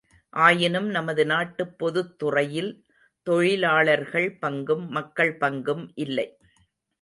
ஆயினும் நமது நாட்டுப் பொதுத்துறையில் தொழிலாளர்கள் பங்கும் மக்கள் பங்கும் இல்லை.